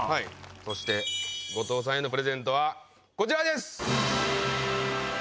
そして後藤さんへのプレゼントはこちらです！